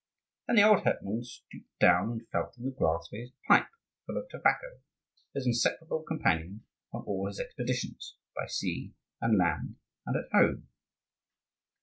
And the old hetman stooped down, and felt in the grass for his pipe full of tobacco, his inseparable companion on all his expeditions by sea and land and at home.